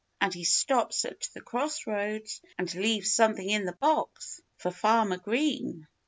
And he stops at the cross roads and leaves something in the box for Farmer Green."